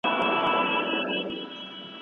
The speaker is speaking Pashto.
هغه د خپلو شاګردانو لپاره ډېر کار کړی دی.